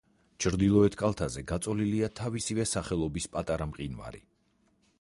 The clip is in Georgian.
ჩრდილოეთ კალთაზე გაწოლილია თავისივე სახელობის პატარა მყინვარი.